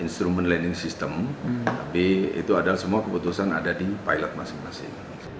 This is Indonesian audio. instrument learning system tapi itu adalah semua keputusan ada di pilot masing masing